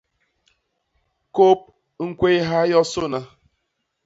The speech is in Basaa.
Kôp i ñkwéyha yosôna.